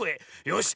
よし。